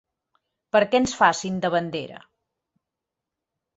Perquè ens facin de bandera!